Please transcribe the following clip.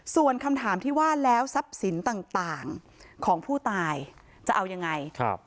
ส่วนคำถามที่ว่าแล้วทรัพย์สินต่างของผู้ตายจะเอายังไง